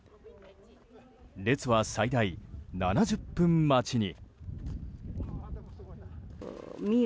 列は最大７０分待ちに。